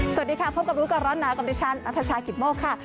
สวัสดีค่ะพบกับลูกการร้อนหนากรรมดิชันนัทชายขิดโมกค่ะ